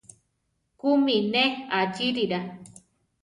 ¿Kúmi ne achíirira?